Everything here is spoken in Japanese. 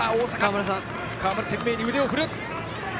河村、懸命に腕を振る！